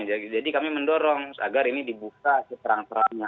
jadi kami mendorong agar ini dibuka terang terangnya